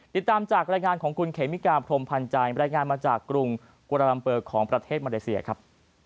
ติดตามจากรายงานของคุณเขมิกาพรมพันธ์ใจบรรยายงานมาจากกรุงกุราลัมเปอร์ของประเทศมาเลเซียครับ